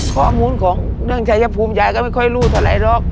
ข้อมูลของเรื่องชายภูมิยายก็ไม่ค่อยรู้เท่าไรหรอก